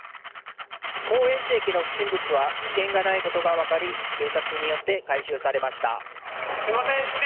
高円寺駅の不審物は危険がないことが分かり警察によって回収されました。